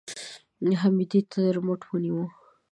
حميديې تر مټ ونيو.